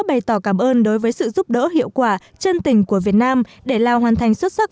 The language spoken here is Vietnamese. bày tỏ cảm ơn đối với sự giúp đỡ hiệu quả chân tình của việt nam để lào hoàn thành xuất sắc